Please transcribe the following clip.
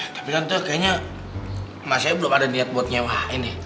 tapi tante kayaknya emak saya belum ada niat buat nyewain ya